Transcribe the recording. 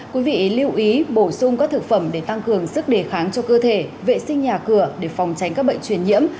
quý vị lưu ý bổ sung các thực phẩm để tăng cường sức đề kháng cho cơ thể vệ sinh nhà cửa để phòng tránh các bệnh truyền nhiễm